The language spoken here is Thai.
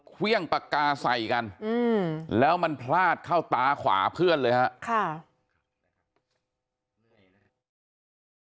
เครื่องปากกาใส่กันแล้วมันพลาดเข้าตาขวาเพื่อนเลยฮะ